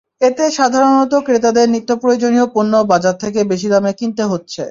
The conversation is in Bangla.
এতে সাধারণ ক্রেতাদের নিত্যপ্রয়োজনীয় পণ্য বাজার থেকে বেশি দামে কিনতে হচ্ছে।